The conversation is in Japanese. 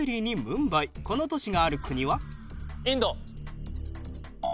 インド。